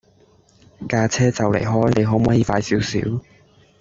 架車就嚟開，你可唔可以快少少